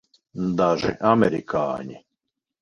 Daži amerikāņi.